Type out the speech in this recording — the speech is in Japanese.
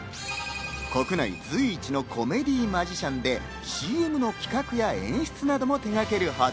国内随一のコメディーマジシャンでＣＭの企画や演出なども手がけるほど。